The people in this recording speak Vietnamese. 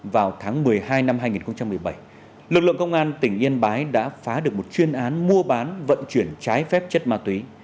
vào tháng một mươi hai năm hai nghìn một mươi bảy lực lượng công an tỉnh yên bái đã phá được một chuyên án mua bán vận chuyển trái phép chất ma túy